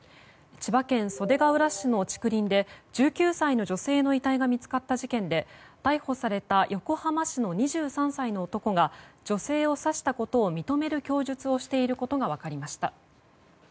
千葉県袖ケ浦市の竹林で１９歳の女性の遺体が見つかった事件で逮捕された横浜市の２３歳の男が女性を刺したことを認める供述をしていることが分かりました。